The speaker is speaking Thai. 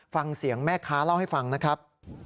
ฟังเสียงแม่ค้าเล่าให้ฟังนะครับ